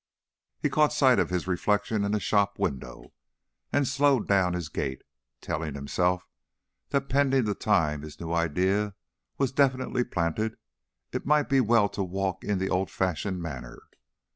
He caught sight of his reflection in a shop window and slowed down his gait, telling himself that pending the time his new idea was definitely planted it might be well to walk in the old fashioned manner.